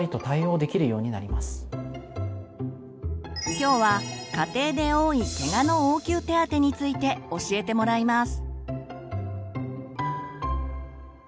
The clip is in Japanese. きょうは家庭で多いケガの応急手当について教えてもらいます。